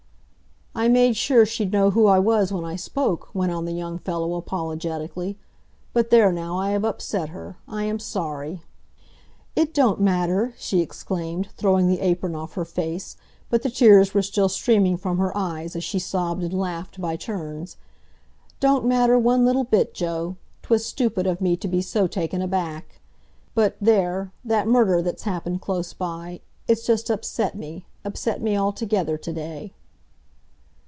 "I made sure she'd know who I was when I spoke," went on the young fellow apologetically. "But, there now, I have upset her. I am sorry!" "It don't matter!" she exclaimed, throwing the apron off her face, but the tears were still streaming from her eyes as she sobbed and laughed by turns. "Don't matter one little bit, Joe! 'Twas stupid of me to be so taken aback. But, there, that murder that's happened close by, it's just upset me—upset me altogether to day."